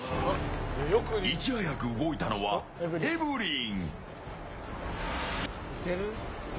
いち早く動いたのはエブリン。